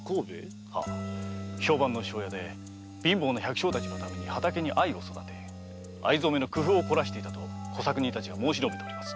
評判の庄屋で貧乏な百姓のために畑に藍を育て藍染めの工夫をこらしていたと小作人たちが申しております。